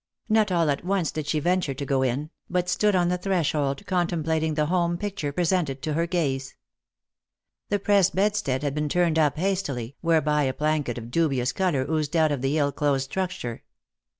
Not all at once did she venture to go in, but stood on the threshold contemplating the home picture presented to her gaze. The press bedstead had been turned up hastily, whereby a blanket of dubious colour oozed out of the ill closed structure.